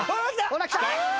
「ほら来た！」